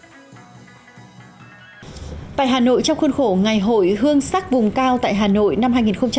tại hà nội trong khuôn khổ ngày hội hương sắc vùng cao tại hà nội năm hai nghìn hai mươi